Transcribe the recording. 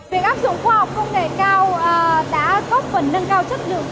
việc áp dụng khoa học công nghệ cao đã góp phần nâng cao chất lượng